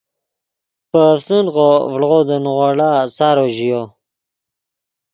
پے افسنغو ڤڑغو دے نیغوڑا سارو ژیو